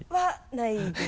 ないです。